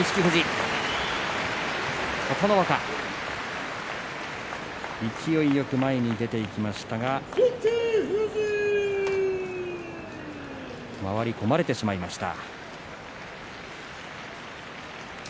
琴ノ若、勢いよく前に出ていきましたが回り込まれてしまいました。